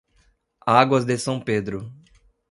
Águas de São Pedro